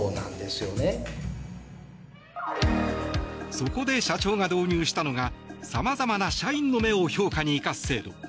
そこで社長が導入したのがさまざまな社員の目を評価に生かす制度。